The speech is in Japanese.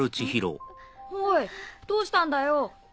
おいどうしたんだよ？